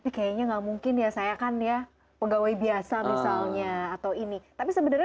kayaknya nggak mungkin ya saya kan ya pegawai biasa misalnya atau ini tapi sebenarnya